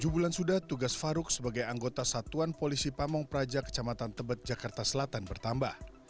tujuh bulan sudah tugas farouk sebagai anggota satuan polisi pamung praja kecamatan tebet jakarta selatan bertambah